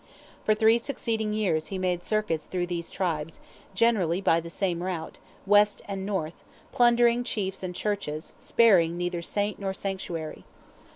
For three succeeding years he made circuits through these tribes, generally by the same route, west and north, plundering chiefs and churches, sparing "neither saint nor sanctuary."